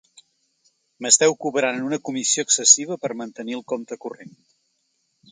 M'esteu cobrant una comissió excessiva per mantenir el compte corrent.